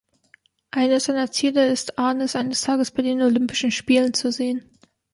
Eines seiner Ziele ist, Arnis eines Tages bei den Olympischen Spielen zu sehen.